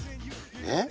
えっ？